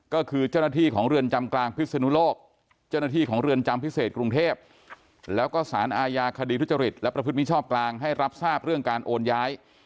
ก็คือเจ้าหน้าที่ของเรือนจำกลางพิศนุโลกเจ้าหน้าที่ของเรือนจำพิเศษกรุงเทพแล้วก็สารอาญาคดีทุจริตและประพฤติมิชอบกลางให้รับทราบเรื่องการโอนย้าย